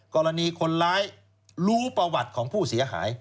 กรณีคนร้ายรู้ประวัติของผู้เสียหาย